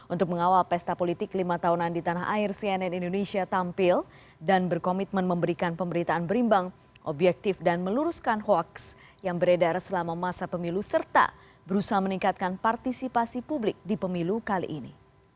untuk mengawal pesta politik lima tahunan di tanah air cnn indonesia tampil dan berkomitmen memberikan pemberitaan berimbang objektif dan meluruskan hoaks yang beredar selama masa pemilu serta berusaha meningkatkan partisipasi publik di pemilu kali ini